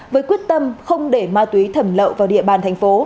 với quyết tâm không để ma túy thẩm lậu vào địa bàn tp